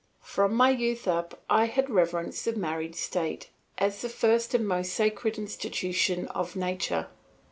From my youth up I had reverenced the married state as the first and most sacred institution of nature.